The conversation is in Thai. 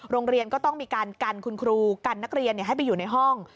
โรงเรียนก็ต้องมีการกันคุณครูกันนักเรียนให้ไปอยู่ในห้อง